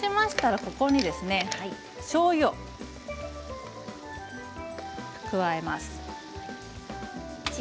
ここに、しょうゆを加えます。